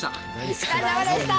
お疲れさまでした！